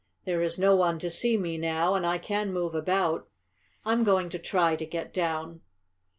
"There is no one to see me now, and I can move about. I'm going to try to get down."